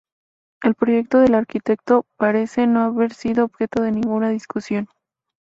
El proyecto del arquitecto parece no haber sido objeto de ninguna discusión.